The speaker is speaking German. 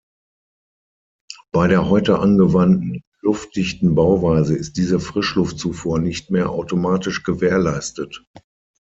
Bei der heute angewandten luftdichten Bauweise ist diese Frischluftzufuhr nicht mehr automatisch gewährleistet.